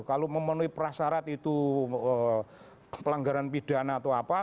kalau memenuhi prasarat itu pelanggaran pidana atau apa